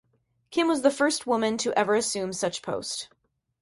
Kim was the first woman to ever assume such post.